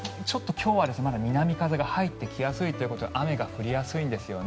今日はまだ南風が入ってきやすいということで雨が降りやすいんですよね。